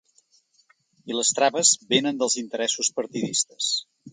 I les traves vénen dels interessos partidistes.